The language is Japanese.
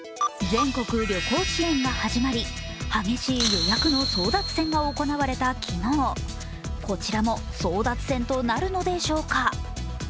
全国旅行支援が始まり激しい予約の争奪戦が行われた昨日、こちらも争奪戦となるのでしょうか。